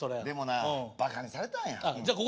でもなバカにされたんや。